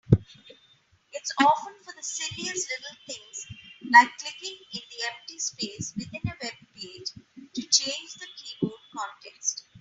It's often for the silliest little things, like clicking in the empty space within a webpage to change the keyboard context.